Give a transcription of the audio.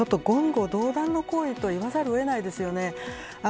ちょっと言語道断の行為と言わざるを得ないですね。